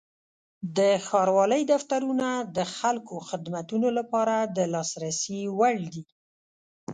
د ښاروالۍ دفترونه د خلکو خدمتونو لپاره د لاسرسي وړ دي.